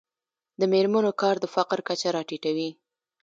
د میرمنو کار د فقر کچه راټیټوي.